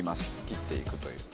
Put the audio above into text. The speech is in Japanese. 切っていくという。